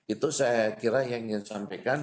itu saya kira yang ingin disampaikan